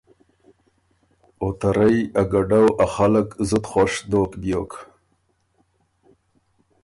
او ته رئ ا ګډؤ ا خلق زُت خؤش دوک بیوک